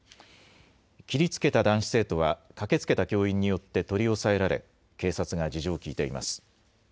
切りつけた男子生徒は、駆けつけた教員によって取り押さえられ、警察が事情を聴いています。